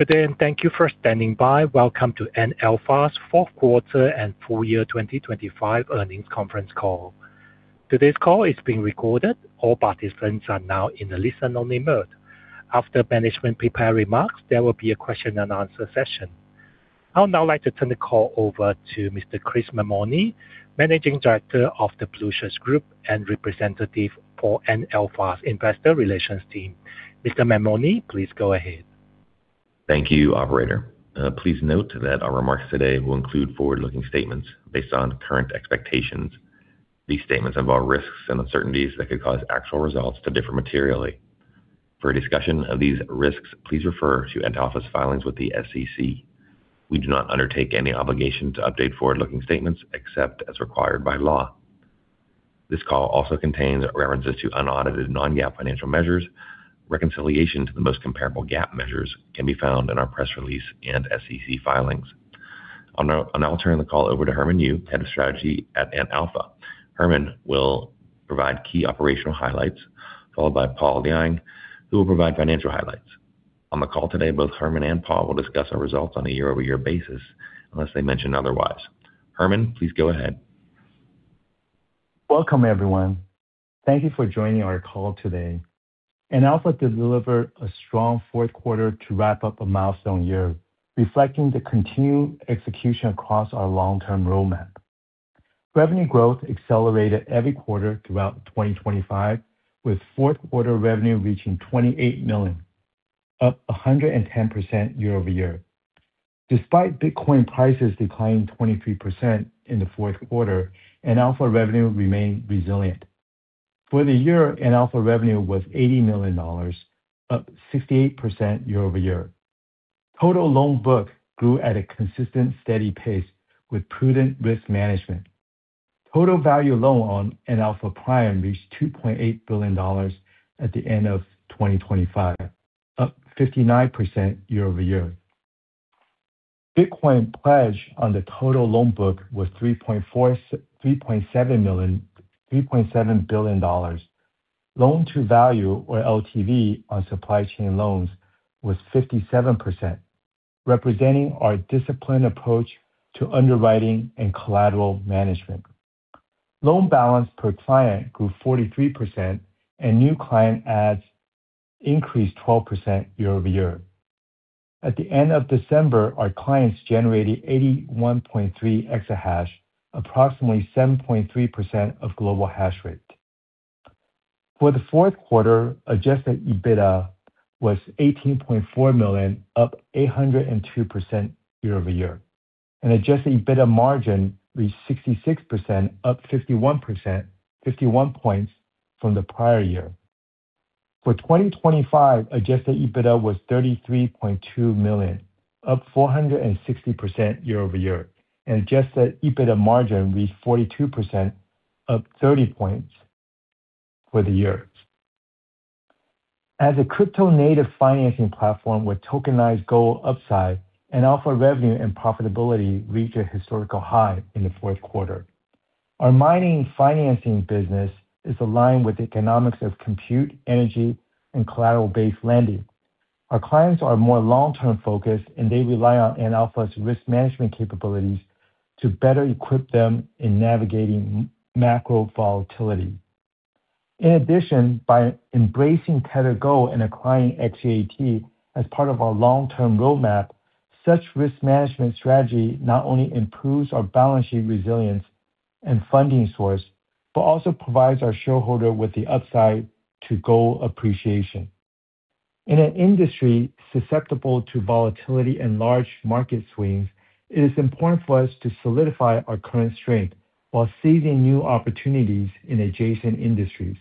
Good day, and thank you for standing by. Welcome to Antalpha's Fourth Quarter and Full Year 2025 Earnings Conference Call. Today's call is being recorded. All participants are now in a listen-only mode. After management prepared remarks, there will be a question and answer session. I would now like to turn the call over to Mr. Chris Mammone, Managing Director of The Blueshirt Group and representative for Antalpha's Investor Relations team. Mr. Mammone, please go ahead. Thank you, operator. Please note that our remarks today will include forward-looking statements based on current expectations. These statements involve risks and uncertainties that could cause actual results to differ materially. For a discussion of these risks, please refer to Antalpha's filings with the SEC. We do not undertake any obligation to update forward-looking statements except as required by law. This call also contains references to unaudited non-GAAP financial measures. Reconciliation to the most comparable GAAP measures can be found in our press release and SEC filings. I'll now turn the call over to Herman Yu, Head of Strategy at Antalpha. Herman will provide key operational highlights, followed by Paul Liang, who will provide financial highlights. On the call today, both Herman and Paul will discuss our results on a year-over-year basis unless they mention otherwise. Herman, please go ahead. Welcome, everyone. Thank you for joining our call today. Antalpha delivered a strong fourth quarter to wrap up a milestone year, reflecting the continued execution across our long-term roadmap. Revenue growth accelerated every quarter throughout 2025, with fourth quarter revenue reaching $28 million, up 110% year-over-year. Despite Bitcoin prices declining 23% in the fourth quarter, Antalpha revenue remained resilient. For the year, Antalpha revenue was $80 million, up 68% year-over-year. Total loan book grew at a consistent steady pace with prudent risk management. Total value loan on Antalpha Prime reached $2.8 billion at the end of 2025, up 59% year-over-year. Bitcoin pledge on the total loan book was $3.7 billion. Loan-to-value or LTV on supply chain loans was 57%, representing our disciplined approach to underwriting and collateral management. Loan balance per client grew 43%, and new client adds increased 12% year-over-year. At the end of December, our clients generated 81.3 EH/s, approximately 7.3% of global hash rate. For the fourth quarter, adjusted EBITDA was $18.4 million, up 802% year-over-year. adjusted EBITDA margin reached 66%, up 51 points from the prior year. For 2025, adjusted EBITDA was $33.2 million, up 460% year-over-year. adjusted EBITDA margin reached 42%, up 30 points for the year. As a crypto-native financing platform with tokenized gold upside, Antalpha revenue and profitability reached a historical high in the fourth quarter. Our mining financing business is aligned with the economics of compute, energy, and collateral-based lending. Our clients are more long-term focused. They rely on Antalpha's risk management capabilities to better equip them in navigating macro volatility. In addition, by embracing Tether Gold and acquiring XAUt as part of our long-term roadmap, such risk management strategy not only improves our balance sheet resilience and funding source, but also provides our shareholder with the upside to gold appreciation. In an industry susceptible to volatility and large market swings, it is important for us to solidify our current strength while seizing new opportunities in adjacent industries.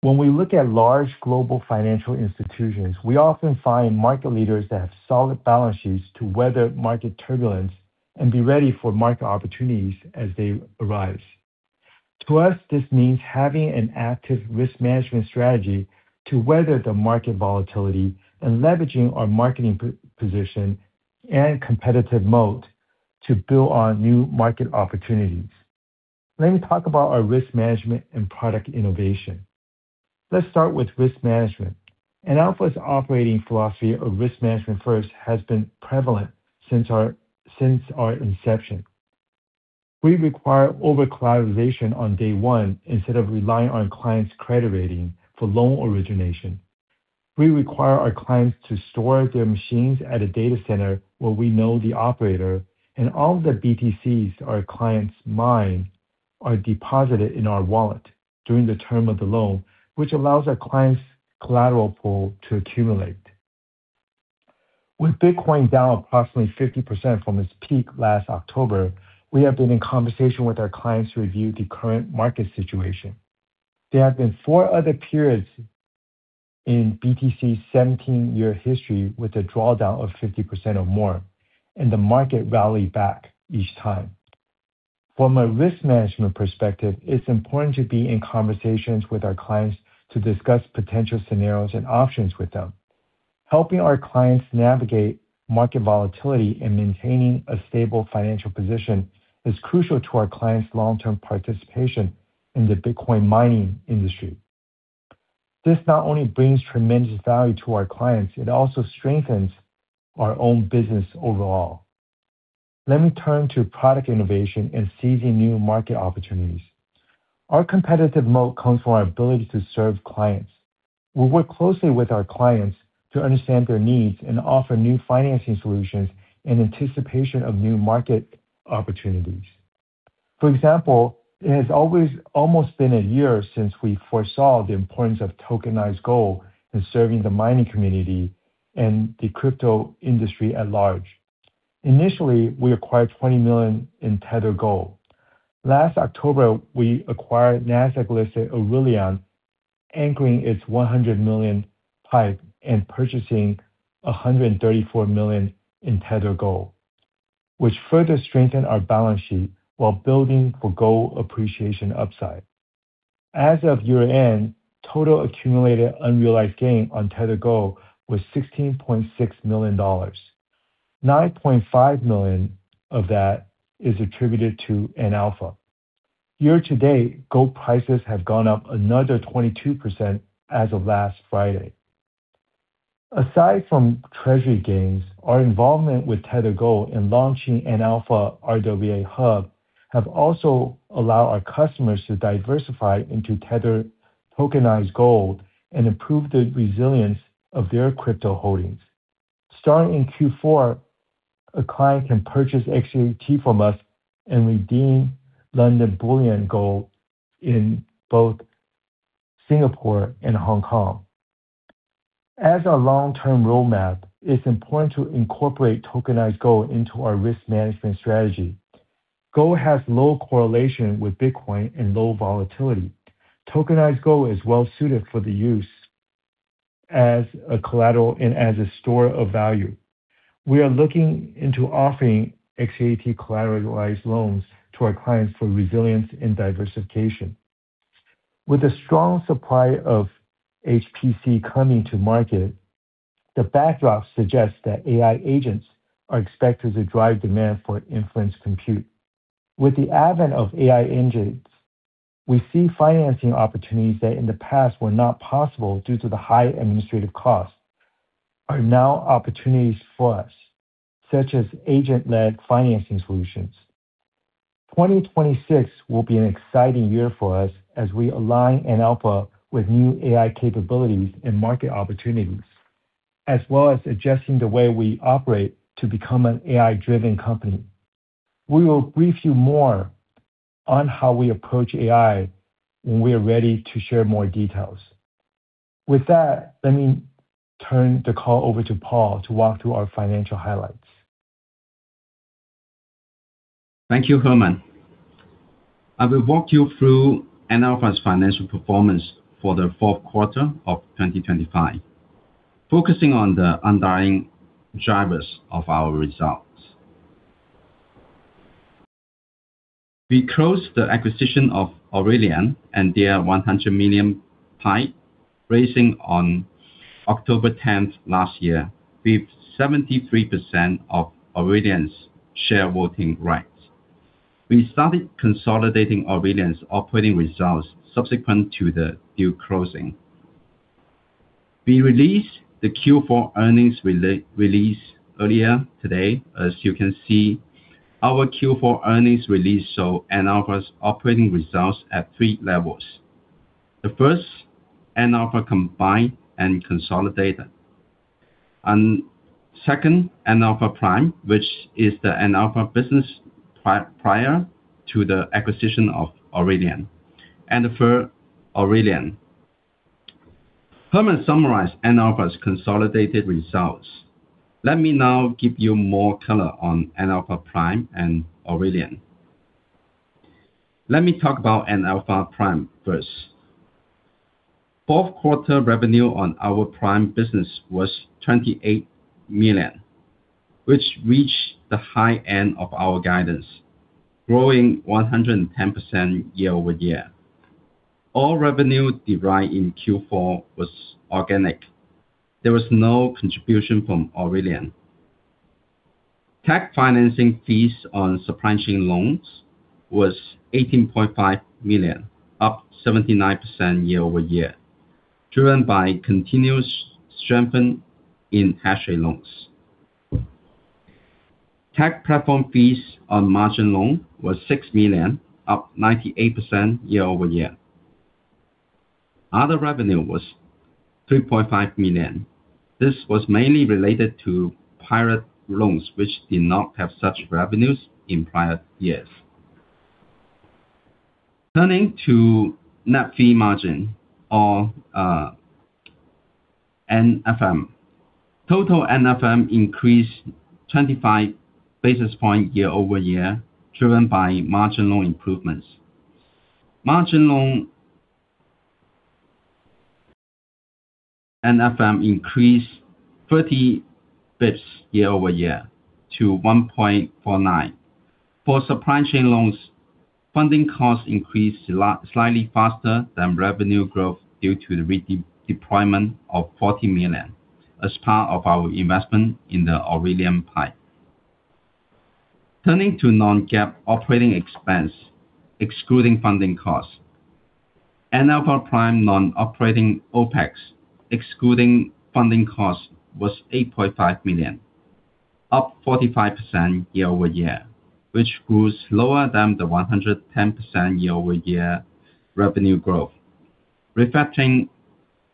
When we look at large global financial institutions, we often find market leaders that have solid balance sheets to weather market turbulence and be ready for market opportunities as they arise. To us, this means having an active risk management strategy to weather the market volatility and leveraging our marketing position and competitive mode to build on new market opportunities. Let me talk about our risk management and product innovation. Let's start with risk management. Antalpha's operating philosophy of risk management first has been prevalent since our inception. We require overcollateralization on day one instead of relying on clients' credit rating for loan origination. We require our clients to store their machines at a data center where we know the operator, and all the BTCs our clients mine are deposited in our wallet during the term of the loan, which allows our clients' collateral pool to accumulate. With Bitcoin down approximately 50% from its peak last October, we have been in conversation with our clients to review the current market situation. There have been four other periods in BTC's 17-year history with a drawdown of 50% or more. The market rallied back each time. From a risk management perspective, it's important to be in conversations with our clients to discuss potential scenarios and options with them. Helping our clients navigate market volatility and maintaining a stable financial position is crucial to our clients' long-term participation in the Bitcoin mining industry. This not only brings tremendous value to our clients, it also strengthens our own business overall. Let me turn to product innovation and seizing new market opportunities. Our competitive mode comes from our ability to serve clients. We work closely with our clients to understand their needs and offer new financing solutions in anticipation of new market opportunities. For example, it has always almost been a year since we foresaw the importance of tokenized gold in serving the mining community and the crypto industry at large. Initially, we acquired $20 million in Tether Gold. Last October, we acquired Nasdaq-listed Aurelion, anchoring its $100 million pipe and purchasing $134 million in Tether Gold, which further strengthened our balance sheet while building for gold appreciation upside. As of year-end, total accumulated unrealized gain on Tether Gold was $16.6 million. $9.5 million of that is attributed to Antalpha. Year to date, gold prices have gone up another 22% as of last Friday. Aside from Treasury gains, our involvement with Tether Gold in launching Antalpha RWA Hub have also allowed our customers to diversify into Tether tokenized gold and improve the resilience of their crypto holdings. Starting in Q4, a client can purchase XAUt from us and redeem London Good Delivery in both Singapore and Hong Kong. As our long-term roadmap, it's important to incorporate tokenized gold into our risk management strategy. Gold has low correlation with Bitcoin and low volatility. Tokenized gold is well-suited for the use as a collateral and as a store of value. We are looking into offering XAUt collateralized loans to our clients for resilience and diversification. With a strong supply of HPC coming to market, the backdrop suggests that AI agents are expected to drive demand for inference compute. With the advent of AI engines, we see financing opportunities that in the past were not possible due to the high administrative costs, are now opportunities for us, such as agent-led financing solutions. 2026 will be an exciting year for us as we align Antalpha with new AI capabilities and market opportunities, as well as adjusting the way we operate to become an AI-driven company. We will brief you more on how we approach AI when we are ready to share more details. With that, let me turn the call over to Paul to walk through our financial highlights. Thank you, Herman. I will walk you through Antalpha's financial performance for the fourth quarter of 2025, focusing on the underlying drivers of our results. We closed the acquisition of Aurelion and their $100 million PIPE, raising on October 10th last year, with 73% of Aurelion's share voting rights. We started consolidating Aurelion's operating results subsequent to the deal closing. We released the Q4 earnings release earlier today. As you can see, our Q4 earnings release saw Antalpha's operating results at three levels. The first, Antalpha combined and consolidated. Second, Antalpha Prime, which is the Antalpha business prior to the acquisition of Aurelion. The third, Aurelion. Herman summarized Antalpha's consolidated results. Let me now give you more color on Antalpha Prime and Aurelion. Let me talk about Antalpha Prime first. Fourth quarter revenue on our Prime business was $28 million, which reached the high end of our guidance, growing 110% year-over-year. All revenue derived in Q4 was organic. There was no contribution from Aurelion. Tech financing fees on supply chain loans was $18.5 million, up 79% year-over-year, driven by continuous strengthen in hash rate loans. Tech platform fees on margin loan was $6 million, up 98% year-over-year. Other revenue was $3.5 million. This was mainly related to pirate loans, which did not have such revenues in prior years. Turning to net fee margin or NFM. Total NFM increased 25 basis point year-over-year, driven by margin loan improvements. Margin loan NFM increased 30 bits year-over-year to 1.49. For supply chain loans, funding costs increased slightly faster than revenue growth due to the redeployment of $40 million as part of our investment in the Aurelion PIPE. Turning to non-GAAP operating expense, excluding funding costs. Antalpha Prime non-operating OpEx, excluding funding costs, was $8.5 million, up 45% year-over-year, which grew slower than the 110% year-over-year revenue growth, reflecting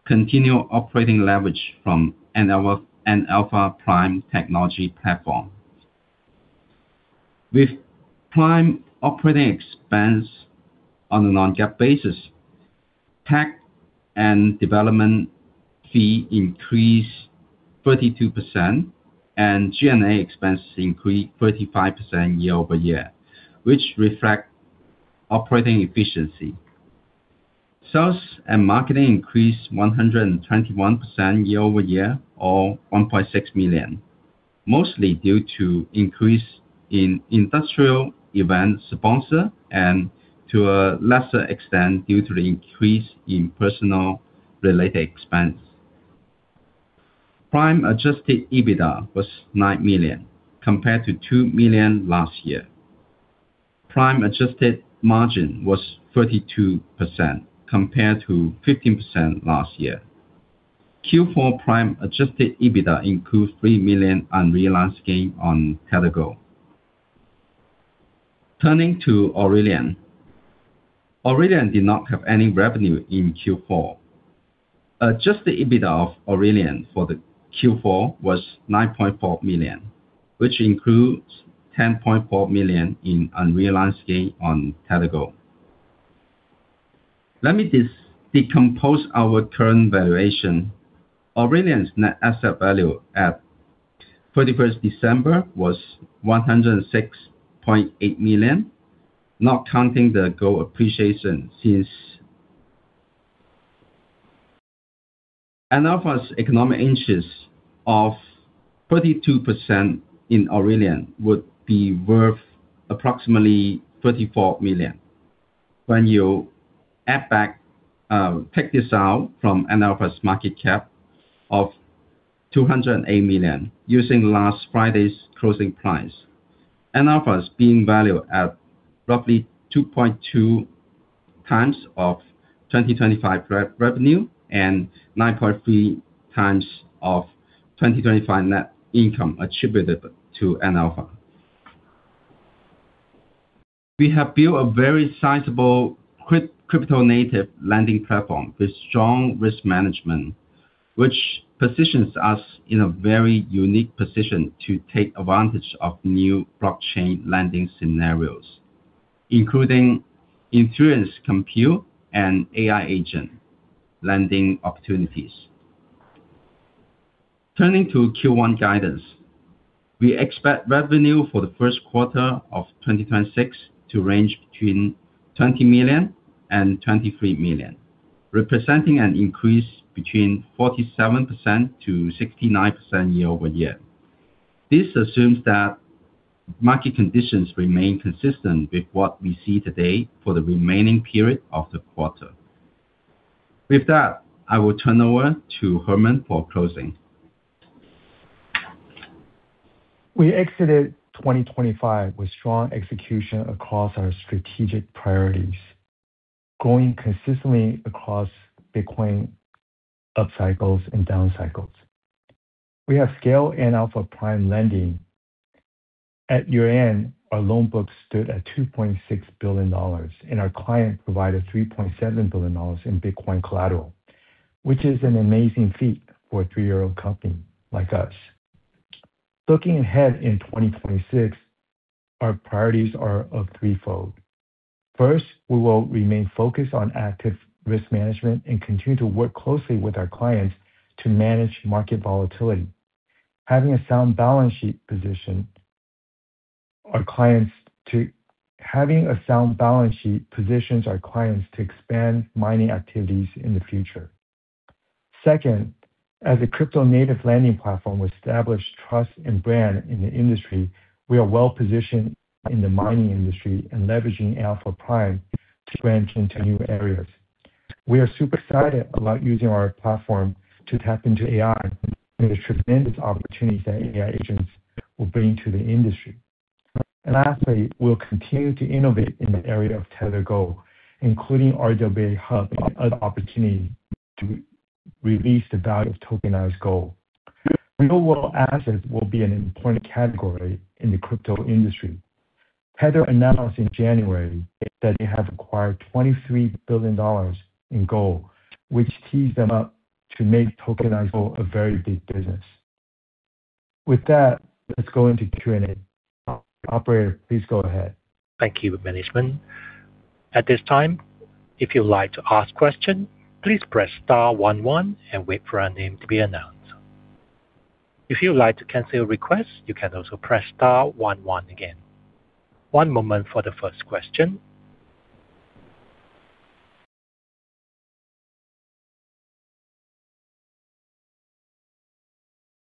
continued operating leverage from Antalpha Prime technology platform. With Prime operating expense on a non-GAAP basis, tech and development fee increased 32% and G&A expenses increased 35% year-over-year, which reflect operating efficiency. Sales and marketing increased 121% year-over-year, or $1.6 million, mostly due to increase in industrial event sponsor and to a lesser extent due to the increase in personal related expense. Prime adjusted EBITDA was $9 million, compared to $2 million last year. Prime adjusted margin was 32% compared to 15% last year. Q4 Prime adjusted EBITDA includes $3 million unrealized gain on Tether Gold. Turning to Aurelion. Aurelion did not have any revenue in Q4. Adjusted EBITDA of Aurelion for the Q4 was $9.4 million, which includes $10.4 million in unrealized gain on Tether Gold. Let me dis-decompose our current valuation. Aurelion's net asset value at 31st December was $106.8 million, not counting the gold appreciation since. Antalpha's economic interest of 32% in Aurelion would be worth approximately $34 million. When you add back, take this out from Antalpha's market cap of $208 million using last Friday's closing price. Antalpha is being valued at roughly 2.2x of 2025 revenue and 9.3x of 2025 net income attributed to Antalpha. We have built a very sizable crypto native lending platform with strong risk management, which positions us in a very unique position to take advantage of new blockchain lending scenarios, including insurance, compute, and AI agent lending opportunities. Turning to Q1 guidance. We expect revenue for the first quarter of 2026 to range between $20 million and $23 million, representing an increase between 47%-69% year-over-year. This assumes that market conditions remain consistent with what we see today for the remaining period of the quarter. With that, I will turn over to Herman for closing. We exited 2025 with strong execution across our strategic priorities, growing consistently across Bitcoin up cycles and down cycles. We have scaled Antalpha Prime lending. At year-end, our loan book stood at $2.6 billion, and our client provided $3.7 billion in Bitcoin collateral, which is an amazing feat for a three-year-old company like us. Looking ahead in 2026, our priorities are of threefold. First, we will remain focused on active risk management and continue to work closely with our clients to manage market volatility. Having a sound balance sheet positions our clients to expand mining activities in the future. Second, as a crypto native lending platform with established trust and brand in the industry, we are well positioned in the mining industry and leveraging Antalpha Prime to branch into new areas. We are super excited about using our platform to tap into AI and the tremendous opportunities that AI agents will bring to the industry. Lastly, we'll continue to innovate in the area of Tether Gold, including Antalpha RWA Hub and other opportunities to release the value of tokenized gold. Real-world assets will be an important category in the crypto industry. Tether announced in January that they have acquired $23 billion in gold, which tees them up to make tokenized gold a very big business. With that, let's go into Q&A. Operator, please go ahead. Thank you, management. At this time, if you'd like to ask question, please press star one one and wait for your name to be announced. If you'd like to cancel your request, you can also press star one one again. One moment for the first question.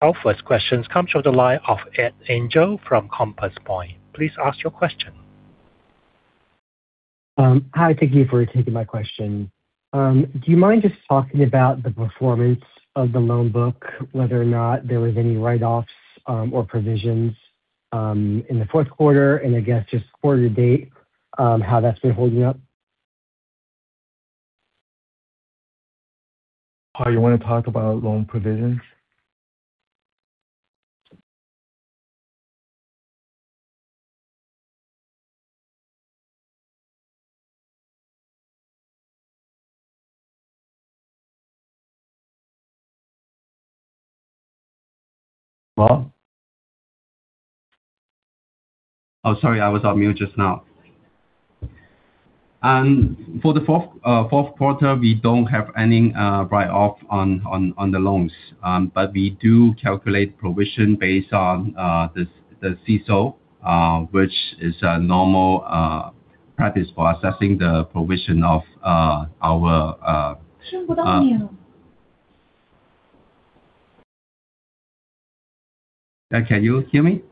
Our first questions comes from the line of Edward Engel from Compass Point. Please ask your question. Hi. Thank you for taking my question. Do you mind just talking about the performance of the loan book, whether or not there was any write-offs or provisions in the fourth quarter? I guess just quarter to date, how that's been holding up? Paul, you wanna talk about loan provisions? Hello? Oh, sorry, I was on mute just now. For the fourth quarter, we don't have any write-off on the loans. We do calculate provision based on the CECL, which is a normal practice for assessing the provision of our. Can you hear me?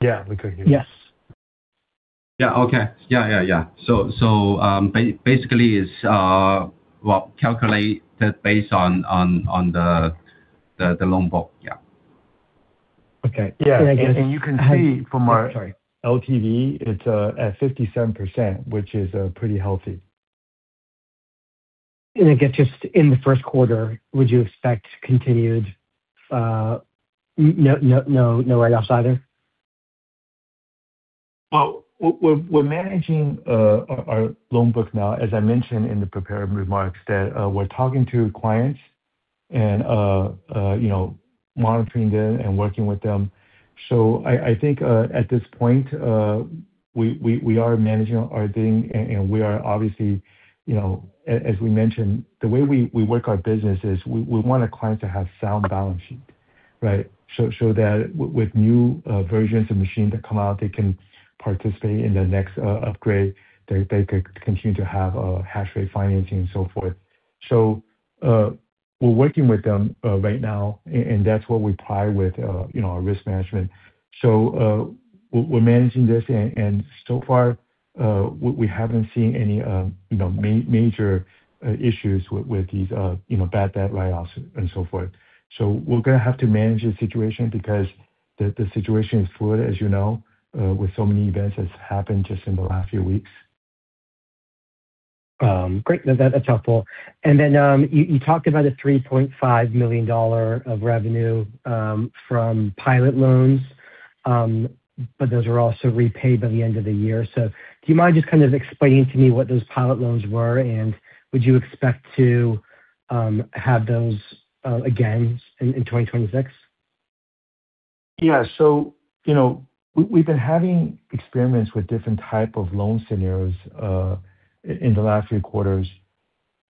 Yeah, we can hear you. Yes. Yeah. Okay. Yeah. Basically it's, well, calculated based on the loan book. Yeah. Okay. Yeah. Yeah, I guess- You can see from Sorry. LTV, it's at 57%, which is pretty healthy. I guess just in the first quarter, would you expect continued no write-offs either? Well, we're managing our loan book now, as I mentioned in the prepared remarks, that we're talking to clients and, you know, monitoring them and working with them. I think at this point, we are managing our thing, and we are obviously, you know. As we mentioned, the way we work our business is we want a client to have sound balance sheet, right? That with new versions of machine that come out, they can participate in the next upgrade. They can continue to have hash rate financing and so forth. We're working with them right now, and that's what we pride with, you know, our risk management. We're managing this and, so far, we haven't seen any, you know, major issues with these, you know, bad debt write-offs and so forth. We're gonna have to manage the situation because the situation is fluid, as you know, with so many events that's happened just in the last few weeks. Great. No, that's helpful. You talked about the $3.5 million of revenue, from pirate loans. Those were also repaid by the end of the year. Do you mind just kind of explaining to me what those pirate loans were? Would you expect to have those again in 2026? You know, we've been having experiments with different type of loan scenarios, in the last few quarters.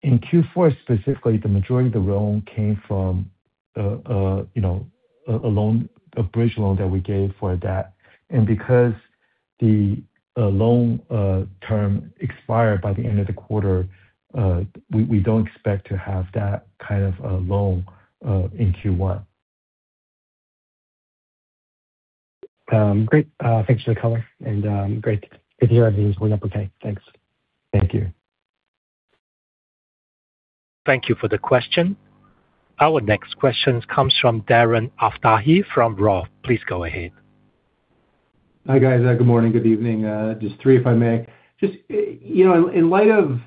In Q4 specifically, the majority of the loan came from, you know, a loan, a bridge loan that we gave for that. Because the loan term expired by the end of the quarter, we don't expect to have that kind of a loan, in Q1. Great. Thanks for the color and, great to hear everything's going up. Okay, thanks. Thank you. Thank you for the question. Our next questions comes from Darren Aftahi from Roth. Please go ahead. Hi, guys. Good morning, good evening. Just three, if I may. Just, you know, in light of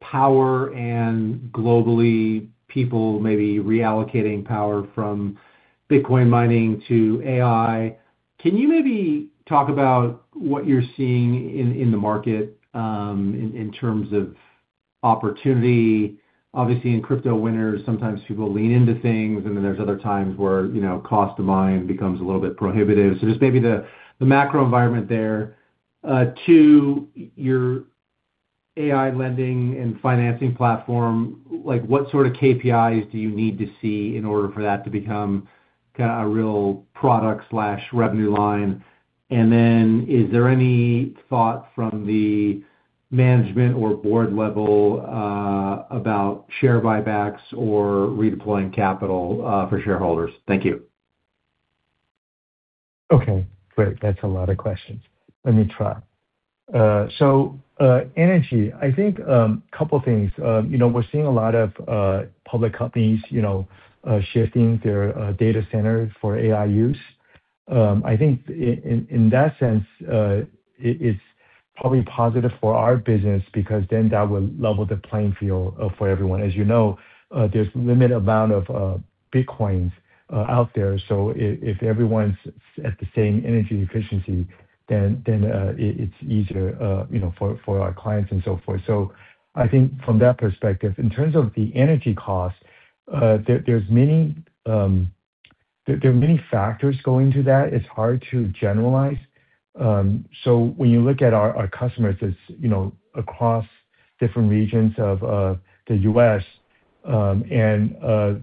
power and globally, people may be reallocating power from Bitcoin mining to AI, can you maybe talk about what you're seeing in the market in terms of opportunity? Obviously, in crypto winters, sometimes people lean into things, and then there's other times where, you know, cost of mine becomes a little bit prohibitive. Just maybe the macro environment there. Two, your AI lending and financing platform, like, what sort of KPIs do you need to see in order for that to become kinda a real product/revenue line? Is there any thought from the management or board level about share buybacks or redeploying capital for shareholders? Thank you. Okay, great. That's a lot of questions. Let me try. Energy, I think, couple things. You know, we're seeing a lot of public companies, you know, shifting their data centers for AI use. I think in that sense, it is probably positive for our business because then that will level the playing field for everyone. As you know, there's limited amount of Bitcoins out there, so if everyone's at the same energy efficiency then it's easier, you know, for our clients and so forth. I think from that perspective, in terms of the energy cost, there's many, there are many factors going to that. It's hard to generalize. Um, so when you look at our customers, it's, you know, across different regions of, uh, the US, um, and, uh,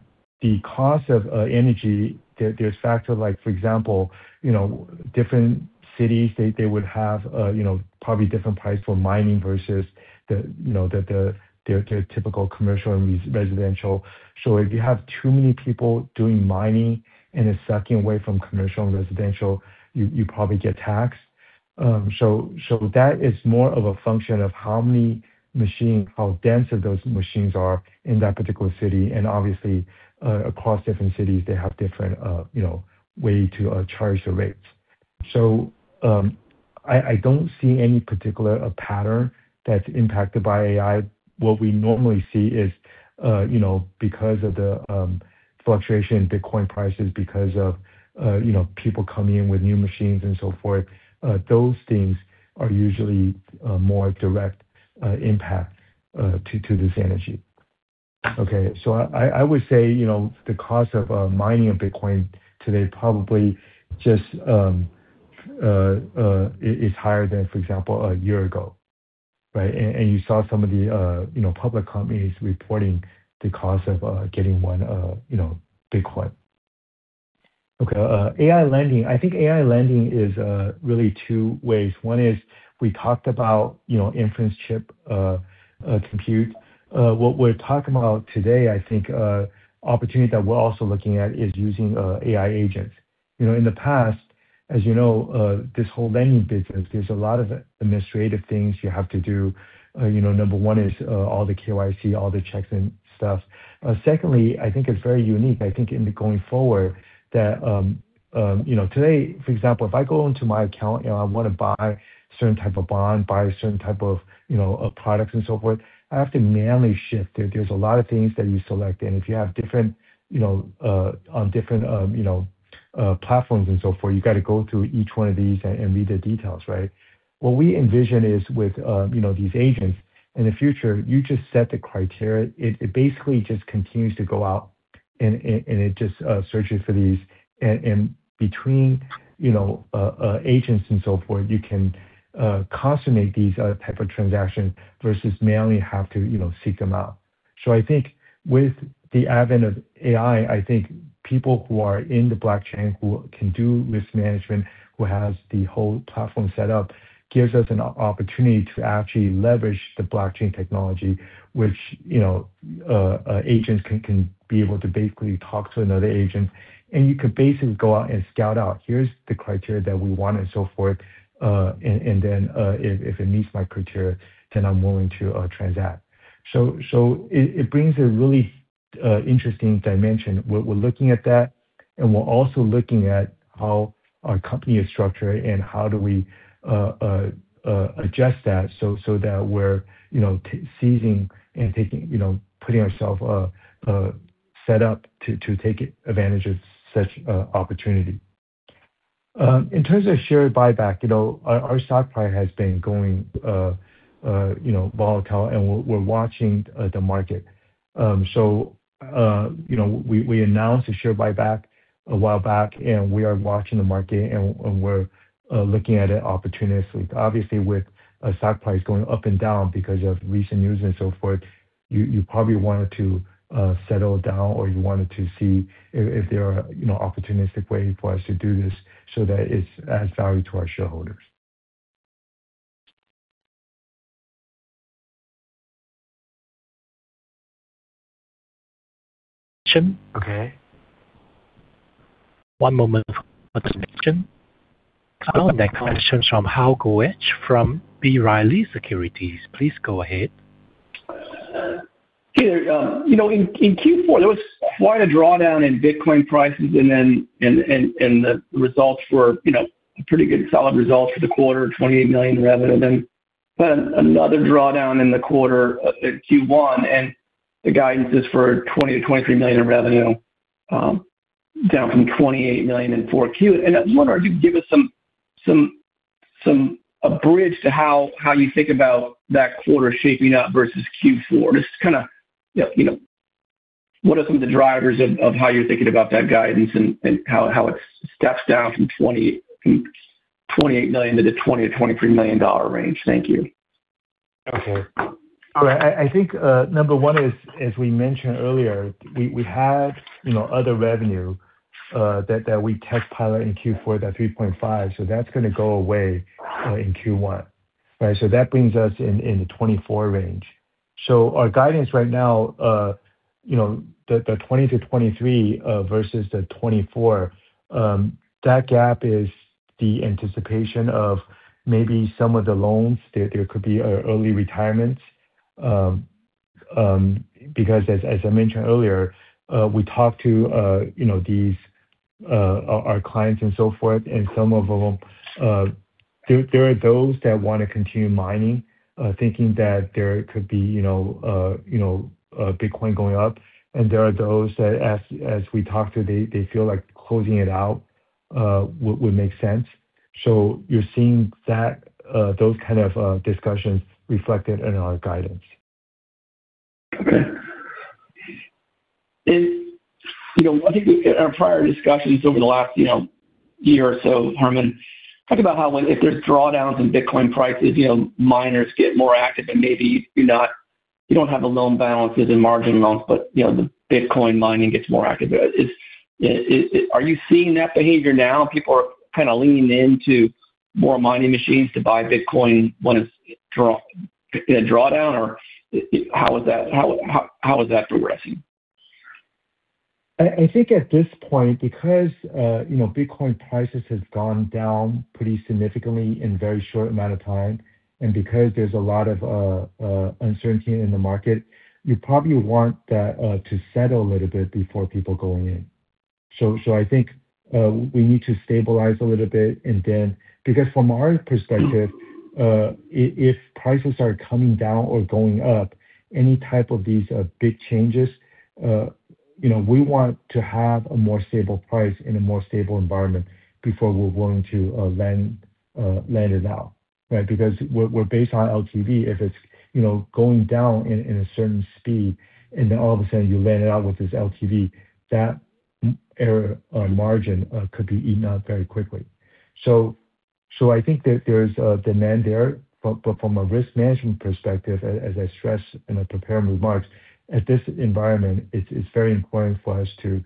the cost of, uh, energy, there's factors like, for example, you know, different cities, they would have, uh, you know, probably different price for mining versus the, you know, the, the typical commercial and res-residential. So if you have too many people doing mining and it's sucking away from commercial and residential, you probably get taxed. Um, so that is more of a function of how many machines, how dense those machines are in that particular city. And obviously, uh, across different cities they have different, uh, you know, way to charge a rate What we normally see is, you know, because of the fluctuation in Bitcoin prices, because of, you know, people coming in with new machines and so forth, those things are usually more direct impact to this energy. Okay. I would say, you know, the cost of mining a Bitcoin today probably just is higher than, for example, a year ago, right? You saw some of the, you know, public companies reporting the cost of getting one Bitcoin. Okay. AI lending. I think AI lending is really two ways. One is we talked about, you know, inference chip compute. What we're talking about today, I think, opportunity that we're also looking at is using AI agents. You know, in the past, as you know, this whole lending business, there's a lot of administrative things you have to do. You know, number one is, all the KYC, all the checks and stuff. Secondly, I think it's very unique. I think in the going forward that, you know, today, for example, if I go into my account, you know, I want to buy certain type of bond, buy certain type of, you know, products and so forth, I have to manually shift it. There's a lot of things that you select. If you have different, you know, different, you know, platforms and so forth, you got to go through each one of these and read the details, right? What we envision is with, you know, these agents, in the future, you just set the criteria. It basically just continues to go out and it just searches for these. Between, you know, agents and so forth, you can consummate these type of transactions versus manually have to, you know, seek them out. I think with the advent of AI, I think people who are in the blockchain who can do risk management, who has the whole platform set up, gives us an opportunity to actually leverage the blockchain technology, which, you know, agents can be able to basically talk to another agent. You could basically go out and scout out, here's the criteria that we want and so forth. And then, if it meets my criteria, then I'm willing to transact. It brings a really interesting dimension. We're looking at that, and we're also looking at how our company is structured and how do we adjust that so that we're, you know, seizing and taking, you know, putting ourselves set up to take advantage of such opportunity. In terms of share buyback, you know, our stock price has been going, you know, volatile and we're watching the market. We announced a share buyback a while back, and we are watching the market and we're looking at it opportunistically. Obviously, with, stock prices going up and down because of recent news and so forth, you probably wanted to, settle down or you wanted to see if there are, you know, opportunistic way for us to do this so that it adds value to our shareholders. Okay. One moment for the next question. Our next question's from Hal Goetsch from B. Riley Securities. Please go ahead. Peter, you know, in Q4, there was quite a drawdown in Bitcoin prices. The results were, you know, pretty good, solid results for the quarter, $28 million revenue. another drawdown in the quarter, Q1. The guidance is for $20 million-$23 million revenue, down from $28 million in Q4. I wonder, are you give us some a bridge to how you think about that quarter shaping up versus Q4? Just kinda, you know, what are some of the drivers of how you're thinking about that guidance and how it steps down from $28 million to the $20 million-$23 million range? Thank you. Okay. I think number one is, as we mentioned earlier, we had, you know, other revenue that we test pilot in Q4, that $3.5, that's gonna go away in Q1, right? That brings us in the $24 range. Our guidance right now, you know, the $20-$23 versus the $24, that gap is the anticipation of maybe some of the loans, there could be early retirement. Because as I mentioned earlier, we talked to, you know, these, our clients and so forth, and some of them, there are those that wanna continue mining, thinking that there could be, you know, Bitcoin going up. There are those that as we talk to, they feel like closing it out, would make sense. You're seeing that, those kind of discussions reflected in our guidance. Is, you know, I think in our prior discussions over the last, you know, year or so, Herman, talk about how if there's drawdowns in Bitcoin prices, you know, miners get more active and maybe you don't have the loan balances and margin loans, but, you know, the Bitcoin mining gets more active. Are you seeing that behavior now? People are kinda leaning into more mining machines to buy Bitcoin when it's in a drawdown? Or how is that, how is that progressing? I think at this point, because, you know, Bitcoin prices has gone down pretty significantly in a very short amount of time and because there's a lot of uncertainty in the market, you probably want that to settle a little bit before people going in. I think, we need to stabilize a little bit and then. From our perspective, if prices are coming down or going up, any type of these big changes, you know, we want to have a more stable price and a more stable environment before we're willing to lend it out, right? Because we're based on LTV. If it's, you know, going down in a certain speed, and then all of a sudden you lend it out with this LTV, that error margin could be eaten up very quickly. I think that there's a demand there. From a risk management perspective, as I stressed in the prepared remarks, at this environment it's very important for us to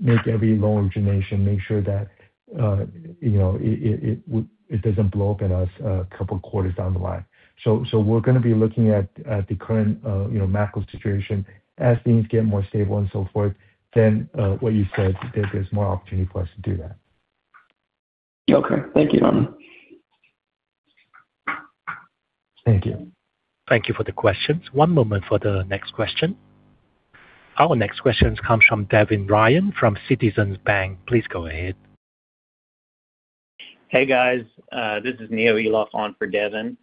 make every loan origination, make sure that, you know, it doesn't blow up in us a couple of quarters down the line. We're gonna be looking at the current, you know, macro situation. As things get more stable and so forth, then what you said, there's more opportunity for us to do that. Okay. Thank you. Thank you. Thank you for the questions. One moment for the next question. Our next question comes from Devin Ryan from Citizens Bank. Please go ahead. Hey, guys. This is Neo Eloff on for Devin.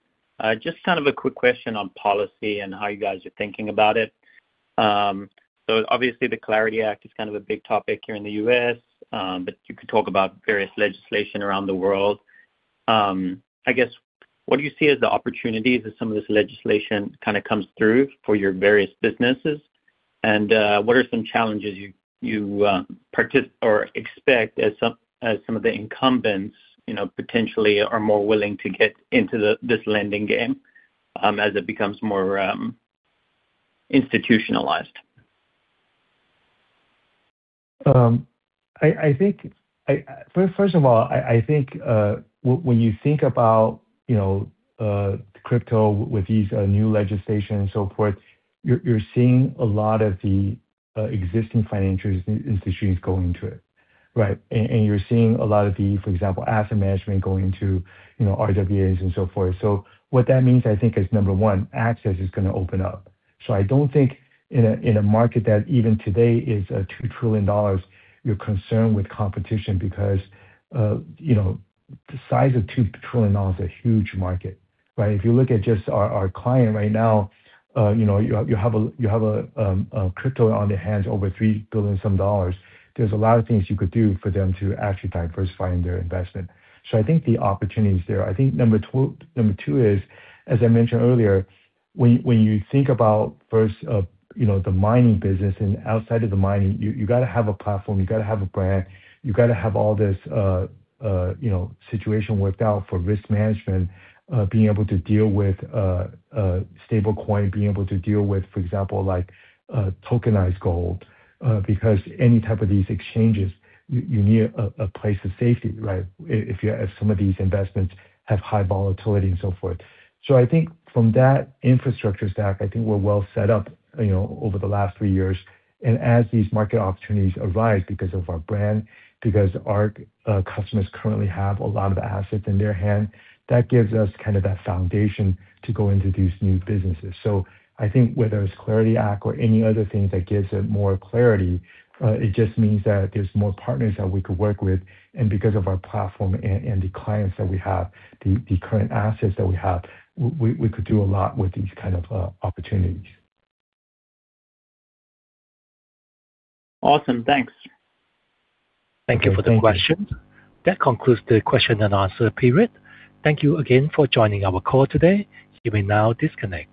Just kind of a quick question on policy and how you guys are thinking about it. Obviously the CLARITY Act is kind of a big topic here in the U.S., but you could talk about various legislation around the world. I guess, what do you see as the opportunities as some of this legislation kinda comes through for your various businesses? What are some challenges you expect as some of the incumbents, you know, potentially are more willing to get into this lending game, as it becomes more institutionalized? I think first of all, I think when you think about, you know, crypto with these new legislation and so forth, you're seeing a lot of the existing financial institutions going into it, right? And you're seeing a lot of the, for example, asset management going into, you know, RWAs and so forth. What that means, I think, is, number one, access is gonna open up. I don't think in a market that even today is $2 trillion you're concerned with competition because, you know, the size of $2 trillion is a huge market, right? If you look at just our client right now, you know, you have, you have a, you have a crypto on their hands over $3 billion some, there's a lot of things you could do for them to actually diversifying their investment. I think the opportunity is there. I think number two is, as I mentioned earlier, when you think about first, you know, the mining business and outside of the mining, you gotta have a platform, you gotta have a brand, you gotta have all this, you know, situation worked out for risk management, being able to deal with stablecoin, being able to deal with, for example, like tokenized gold. Because any type of these exchanges, you need a place of safety, right? If some of these investments have high volatility and so forth. I think from that infrastructure stack, I think we're well set up, you know, over the last three years. As these market opportunities arise because of our brand, because our customers currently have a lot of the assets in their hand, that gives us kind of that foundation to go into these new businesses. I think whether it's CLARITY Act or any other things that gives it more clarity, it just means that there's more partners that we could work with. Because of our platform and the clients that we have, the current assets that we have, we could do a lot with these kind of opportunities. Awesome. Thanks. Thank you for the question. That concludes the question and answer period. Thank you again for joining our call today. You may now disconnect.